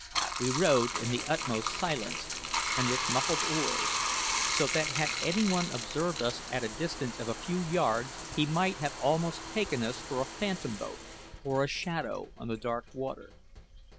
We rowed in the utmost silence and with muffled oars, so that had any one observed us at the distance of a few yards, he might have almost taken us for a phantom boat or a shadow on the dark water.